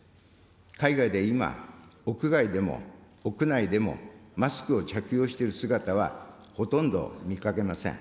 海外で今、屋外でも屋内でもマスクを着用している姿は、ほとんど見かけません。